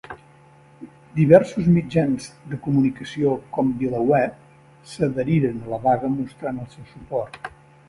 Diversos mitjans de comunicació com VilaWeb s'adheriren a la vaga mostrant el seu suport.